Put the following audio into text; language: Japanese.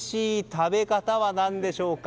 食べ方は何でしょうか？